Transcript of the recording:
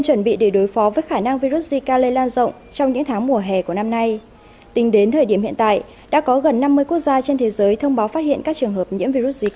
hãy đăng ký kênh để ủng hộ kênh của chúng mình nhé